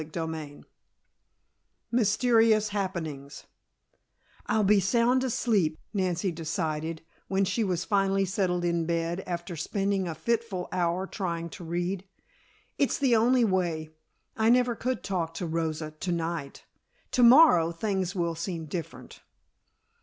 CHAPTER XV MYSTERIOUS HAPPENINGS "I'll be sound asleep," Nancy decided, when she was finally settled in bed after spending a fitful hour trying to read. "It's the only way. I never could talk to Rosa to night. To morrow things will seem different."